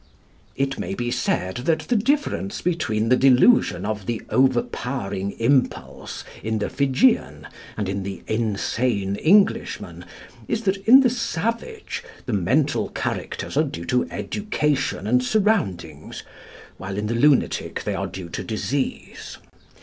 "It may be said that the difference between the delusion of the overpowering impulse in the Fijian and in the insane Englishman is that, in the savage, the mental characters are due to education and surroundings; while, in the lunatic they are due to disease.